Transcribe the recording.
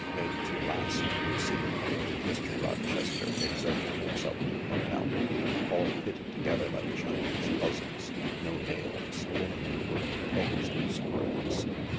" Made to last, you see," Mr. Rochester exerted himself to point out ; "all fitted together like Chinese puzzles — no nails, only wooden pegs and screws."